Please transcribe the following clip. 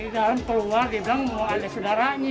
di dalam keluar dia bilang ada saudaranya